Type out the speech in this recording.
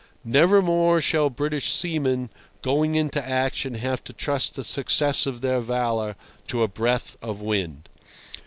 Never more shall British seamen going into action have to trust the success of their valour to a breath of wind.